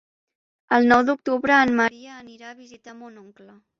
El nou d'octubre en Maria anirà a visitar mon oncle.